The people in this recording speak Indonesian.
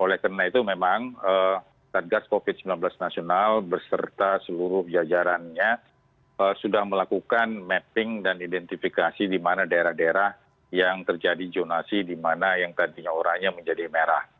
oleh karena itu memang satgas covid sembilan belas nasional berserta seluruh jajarannya sudah melakukan mapping dan identifikasi di mana daerah daerah yang terjadi jonasi di mana yang tadinya oranya menjadi merah